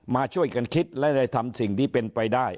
มาช่วยกันคิดและได้ทำสิ่งที่เป็นไปได้